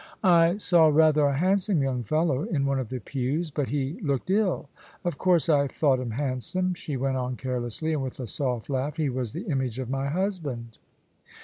"I saw rather a handsome young fellow in one of the pews, but he looked ill. Of course, I thought him handsome," she went on carelessly, and with a soft laugh: "he was the image of my husband."